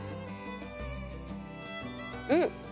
うん。